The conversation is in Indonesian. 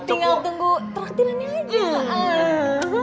tinggal tunggu traktirannya aja